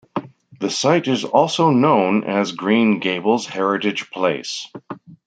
The site is also known as Green Gables Heritage Place.